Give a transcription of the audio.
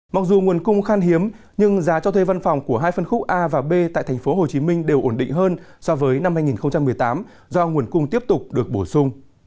mặc dù nguồn cung khan hiếm nhưng giá cho thuê văn phòng của hai phân khúc a và b tại tp hcm đều ổn định hơn so với năm hai nghìn một mươi tám do nguồn cung tiếp tục được bổ sung